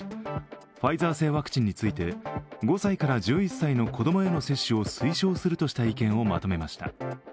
ファイザー製ワクチンについて、５歳から１１歳への子供への接種を推奨するとした意見をまとめました。